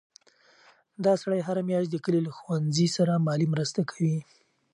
دا سړی هره میاشت د کلي له ښوونځي سره مالي مرسته کوي.